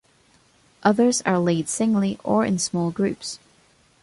Others are laid singly or in small groups.